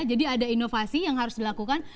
jadi ada inovasi yang harus dilakukan